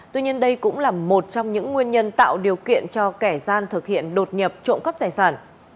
tuy nhiên đây cũng là một trong những nguyên nhân tạo điều kiện cho kẻ gian thực hiện đột nhập trộm cắp tài sản